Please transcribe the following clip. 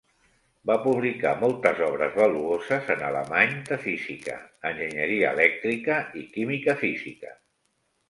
Va publicar moltes obres valuoses en alemany de física, enginyeria elèctrica i química física.